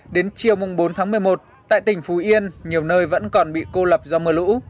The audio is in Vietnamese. đến chiều bốn một mươi một tại tỉnh phú yên nhiều nơi vẫn còn bị cô lập do mưa lũ